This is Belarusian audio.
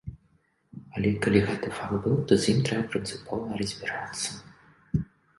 Але калі гэты факт быў, то з ім трэба прынцыпова разбірацца.